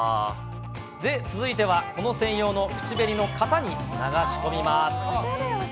で、続いてはこの口紅専用の口紅の型に流し込みます。